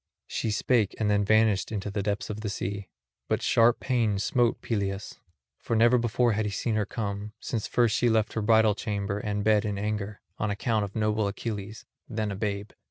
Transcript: She spake, and vanished into the depths of the sea; but sharp pain smote Peleus, for never before had he seen her come, since first she left her bridal chamber and bed in anger, on account of noble Achilles, then a babe.